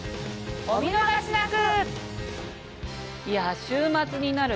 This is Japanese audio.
お見逃しなく！